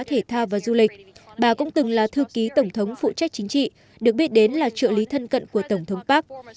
thể thao và du lịch bà cũng từng là thư ký tổng thống phụ trách chính trị được biết đến là trợ lý thân cận của tổng thống park